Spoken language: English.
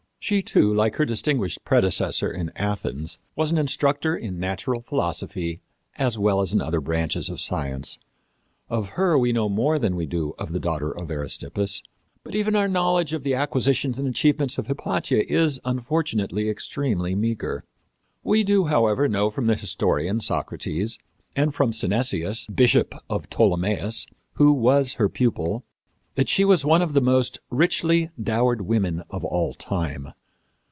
She, too, like her distinguished predecessor in Athens, was an instructor in natural philosophy, as well as other branches of science. Of her we know more than we do of the daughter of Aristippus, but even our knowledge of the acquisitions and achievements of Hypatia is, unfortunately, extremely meager. We do, however, know from the historian, Socrates, and from Synesius, bishop of Ptolemais, who was her pupil, that she was one of the most richly dowered women of all time.